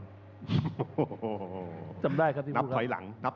นับถอยหลัง